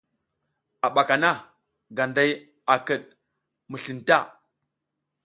A ɓaka na Ganday a kiɗ mi slin ta.